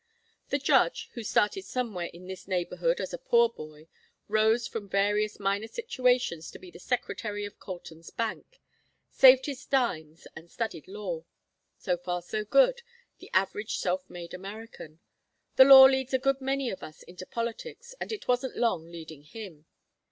The judge, who started somewhere in this neighborhood as a poor boy, rose from various minor situations to be the secretary of Colton's bank, saved his dimes and studied law. So far so good; the average self made American. The law leads a good many of us into politics and it wasn't long leading him.